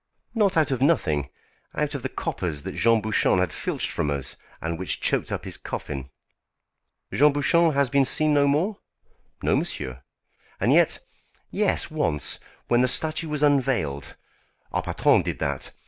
"Not out of nothing; out of the coppers that Jean Bouchon had filched from us, and which choked up his coffin." "Jean Bouchon has been seen no more?" "No, monsieur. And yet yes, once, when the statue was unveiled. Our patron did that.